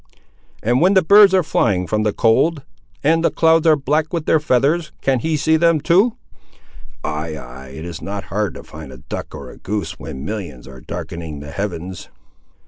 "And when the birds are flying from the cold, and the clouds are black with their feathers, can he see them too?" "Ay, ay, it is not hard to find a duck, or a goose, when millions are darkening the heavens."